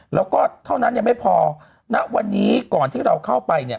แล้วก็เท่านั้นยังไม่พอณวันนี้ก่อนที่เราเข้าไปเนี่ย